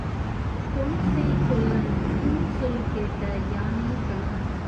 பொன்செய் கொல்லன் புன்சொல் கேட்ட யானே கள்வன்.